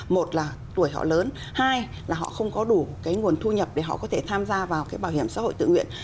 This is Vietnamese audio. một là tuổi họ lớn hai là họ không có đủ cái nguồn thu nhập để họ có thể tham gia vào cái bảo hiểm xã hội tự nguyện